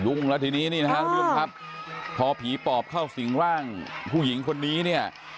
ลุงแล้วทีนี้พอผีปอบเข้าสิ่งร่างผู้หญิงคนนี้